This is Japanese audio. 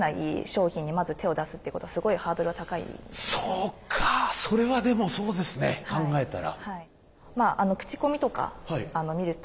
そうかそれはでもそうですね考えたら。